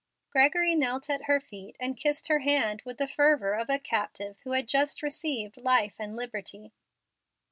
Gregory knelt at her feet, and kissed her hand with the fervor of a captive who had just received life and liberty.